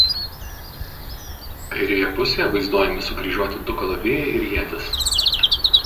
Kairėje pusėje vaizduojami sukryžiuoti du kalavijai ir ietis.